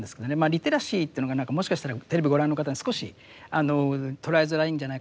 リテラシーというのが何かもしかしたらテレビご覧の方に少し捉えづらいんじゃないかなと思うんですけども。